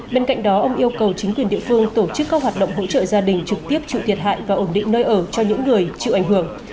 bên cạnh đó ông yêu cầu chính quyền địa phương tổ chức các hoạt động hỗ trợ gia đình trực tiếp chịu thiệt hại và ổn định nơi ở cho những người chịu ảnh hưởng